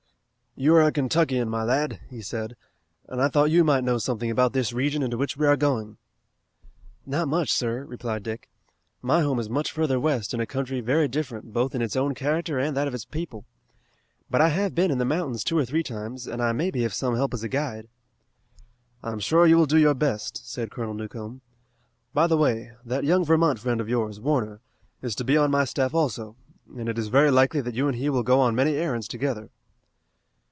"You are a Kentuckian, my lad," he said, "and I thought you might know something about this region into which we are going." "Not much, sir," replied Dick. "My home is much further west in a country very different both in its own character and that of its people. But I have been in the mountains two or three times, and I may be of some help as a guide." "I am sure you will do your best," said Colonel Newcomb. "By the way, that young Vermont friend of yours, Warner, is to be on my staff also, and it is very likely that you and he will go on many errands together."